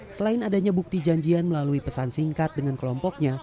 selain adanya bukti janjian melalui pesan singkat dengan kelompoknya